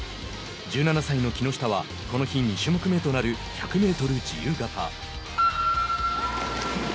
１７歳の木下はこの日、２種目めとなる１００メートル自由形。